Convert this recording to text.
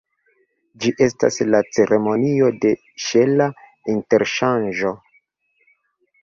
Ĝi estas la ceremonio de ŝela interŝanĝo.